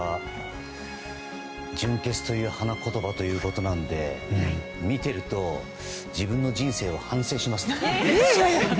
純潔という花言葉ということなので見ていると自分の人生を反省しますね。